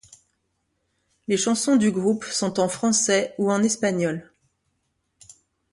Les chansons du groupe sont en français ou en espagnol.